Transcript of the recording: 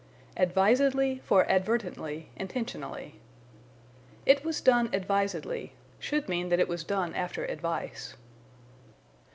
Advisedly for Advertently, Intentionally. "It was done advisedly" should mean that it was done after advice.